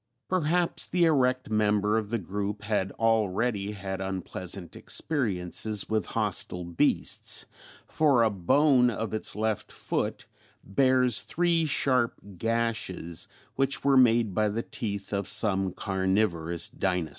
Perhaps the erect member of the group had already had unpleasant experiences with hostile beasts, for a bone of its left foot bears three sharp gashes which were made by the teeth of some carnivorous dinosaur.